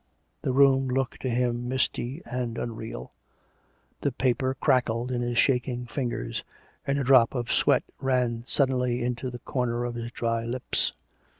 The room looked to him misty and unreal; the paper crackled in his shaking fingers, and a drop of sweat ran suddenly into the corner of his dry lips.